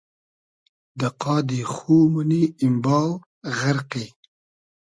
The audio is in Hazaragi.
دۂ قادی خو مونی ایمباو ، غئرقی